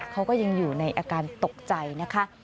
เขาก็ยังอยู่ในอาการตกใจนะคะ